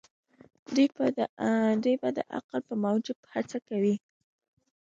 دوی به د عقل په موجب هڅه کوي.